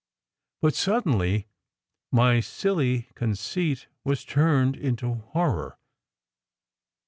But suddenly my silly conceit was turned into horror.